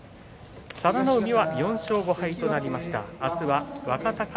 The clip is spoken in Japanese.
佐田の海は４勝５敗となりました。